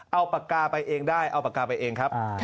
เอาปากกาไปเองได้เอาปากกาไปเองครับ